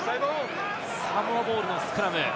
サモアボールのスクラム。